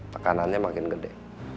pekanannya makin gede